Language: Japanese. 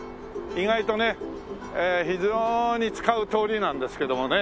意外とね非常に使う通りなんですけどもね。